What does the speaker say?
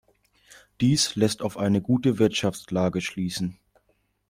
Dies lässt auf eine gute Wirtschaftslage schließen.